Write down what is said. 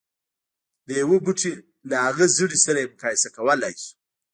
د يوه بوټي له هغه زړي سره يې مقايسه کولای شو.